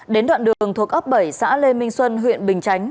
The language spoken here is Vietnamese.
đến đoạn đường thuộc ấp bảy xã lê minh xuân huyện bình chánh